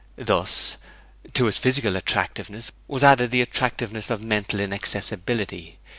Thus, to his physical attractiveness was added the attractiveness of mental inaccessibility.